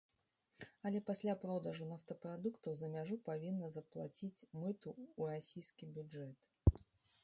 Але пасля продажу нафтапрадуктаў за мяжу павінна заплаціць мыту ў расійскі бюджэт.